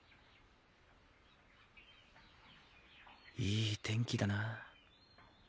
いい天気だな。